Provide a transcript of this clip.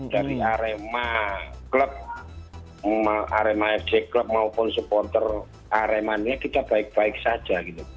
dari arema klub arema fc klub maupun supporter aremania kita baik baik saja gitu